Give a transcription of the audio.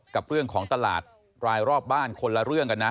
กับเรื่องของตลาดรายรอบบ้านคนละเรื่องกันนะ